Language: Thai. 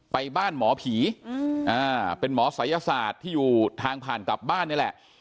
ไปบ้านหมอผีเป็นหมอศัยศาสตร์ที่อยู่ทางผ่านกลับบ้านนี่แหละ